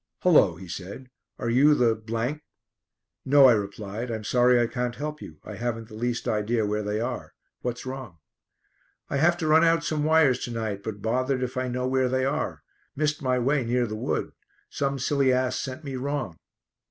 "Hullo," he said. "Are you the ?" "No," I replied. "I'm sorry I can't help you. I haven't the least idea where they are. What's wrong?" "I have to run out some wires to night, but bothered if I know where they are. Missed my way near the wood. Some silly ass sent me wrong."